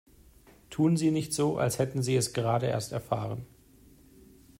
Tun Sie nicht so, als hätten Sie es gerade erst erfahren!